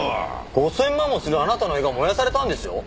５０００万もするあなたの絵が燃やされたんですよ？